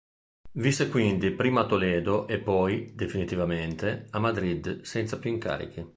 Visse quindi prima a Toledo e poi, definitivamente, a Madrid, senza più incarichi.